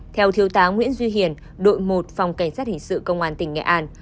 theo thiếu tá nguyễn duy hiền đội một phòng cảnh sát hình sự công an tỉnh nghệ an